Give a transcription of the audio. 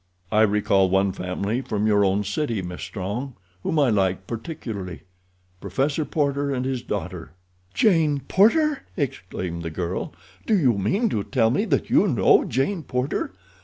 I recall one family from your own city, Miss Strong, whom I liked particularly—Professor Porter and his daughter." "Jane Porter!" exclaimed the girl. "Do you mean to tell me that you know Jane Porter?